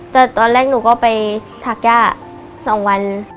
แต่ตอนแรกหนูก็ไปถักย่า๒วัน